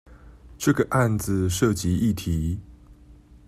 這個案子涉及議題